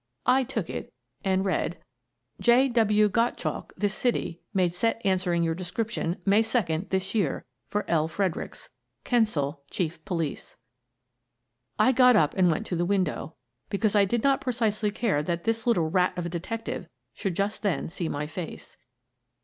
I took it and read: Kemp Learns the Truth 107 == =====3 " J. W. Gottchalk, this city, made set answering your description, May second, this year, for L. Fredericks. " Kensill, Chief Police/ 9 I got up and went to the window, because I did not precisely care that this little rat of a detective should just then see my face.